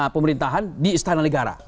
pemerintahan di istana negara